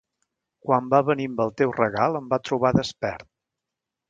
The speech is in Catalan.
Quan va venir amb el teu regal, em va trobar despert.